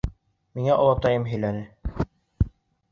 — Миңә олатайым һөйләне.